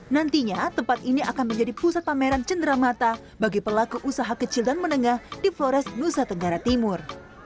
nantinya tempat ini akan menjadi pusat pameran cenderamata bagi pelaku usaha kecil dan menengah di flores nusa tenggara timur